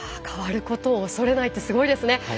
変わることをおそれないってすごいですね。